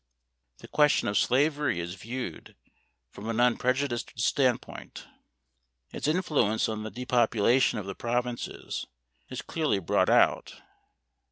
The question of slavery is viewed from an unprejudiced standpoint. Its influence on the depopulation of the provinces is clearly brought out (pp.